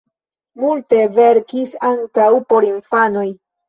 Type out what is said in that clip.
Multe verkis ankaŭ por infanoj.